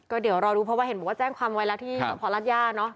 ก็เดี๋ยวรอดูเพราะเห็นบอกว่าแจ้งความไวรัฐฯีภรรรยาเนอะ